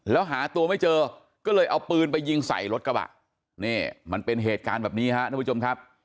แล้วหาตัวไม่เจอก็เลยเอาปืนไปยิงใส่รถกระบะนี่มันเป็นเหตุการณ์แบบนี้ครับท่านผู้ชมครับ